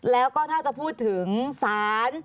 และถ้าจะพูดถึงสาร